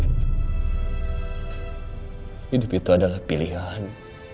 hidup itu adalah pilihan